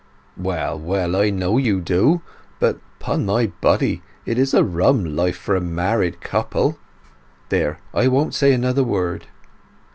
"Well, well, I know you do. But 'pon my body, it is a rum life for a married couple! There—I won't say another word!